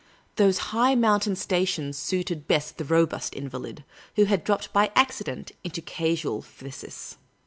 Those high mountain stations suited best the robust invalid, who had dropped by accident into casual phthisis.